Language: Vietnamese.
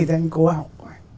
thế anh cố học